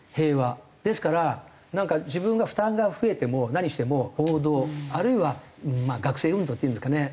ですからなんか自分が負担が増えても何しても暴動あるいは学生運動っていうんですかね？